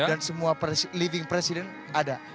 dan semua living presiden ada